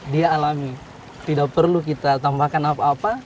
dia alami tidak perlu kita tambahkan apa apa